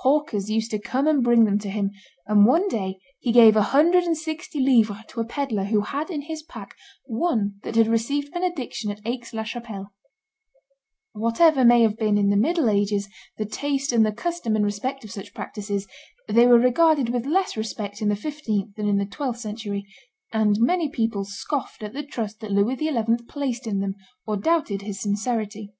Hawkers used to come and bring them to him; and one day he gave a hundred and sixty livres to a pedler who had in his pack one that had received benediction at Aix la Chapelle. [Illustration: Louis XI. at his Devotions 255] Whatever may have been, in the middle ages, the taste and the custom in respect of such practices, they were regarded with less respect in the fifteenth than in the twelfth century, and many people scoffed at the trust that Louis XI. placed in them, or doubted his sincerity.